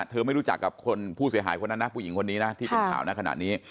ไม่รู้จักกับคนผู้เสียหายคนนั้นนะผู้หญิงคนนี้นะที่เป็นข่าวนะขณะนี้